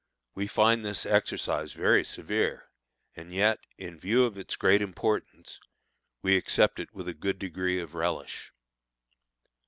We find this exercise very severe, and yet, in view of its great importance, we accept it with a good degree of relish.